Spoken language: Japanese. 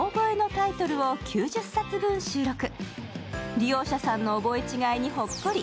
利用者さんの覚え違いにほっこり。